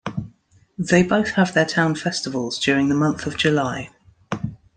They both have their town festivals during the month of July.